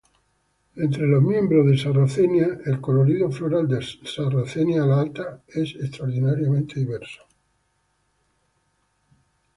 Entre los miembros de "Sarracenia" el colorido floral de "Sarracenia alata" es extraordinariamente diverso.